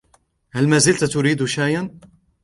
هل مازلتَ تريد شاياً ؟